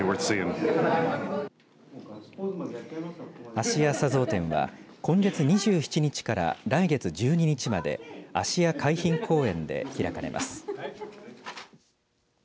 あしや砂像展は今月２７日から来月１２日まで芦屋海浜公園で開かれます。